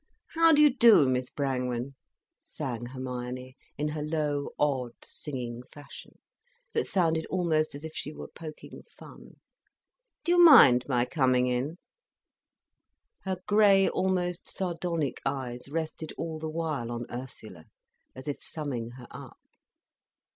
"How do you do, Miss Brangwen," sang Hermione, in her low, odd, singing fashion, that sounded almost as if she were poking fun. "Do you mind my coming in?" Her grey, almost sardonic eyes rested all the while on Ursula, as if summing her up.